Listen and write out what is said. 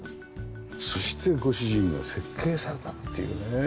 そしてご主人が設計されたっていうね。